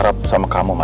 dan aku ngemondo